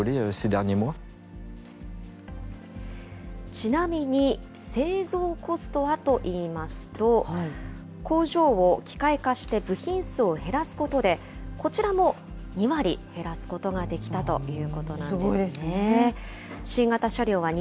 ちなみに、製造コストはといいますと、工場を機械化して部品数を減らすことで、こちらも２割減らすことができたということなんですね。